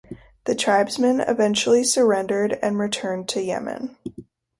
The tribesmen eventually surrendered and returned to Yemen.